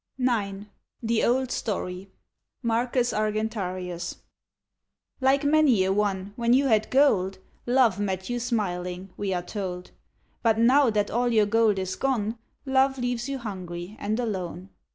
IX THE OLD STORY (^Marcus Argentarius) Like many a one, when you had gold Love met you smiling, we are told ; But now that all your gold is gone. Love leaves you hungry and alone.